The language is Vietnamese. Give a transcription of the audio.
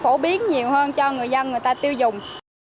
phổ biến nhiều hơn cho người dân người ta tiêu dùng